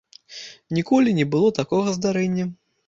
Ніколі не было такога здарэння.